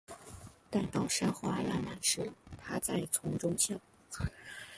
待到山花烂漫时，她在丛中笑。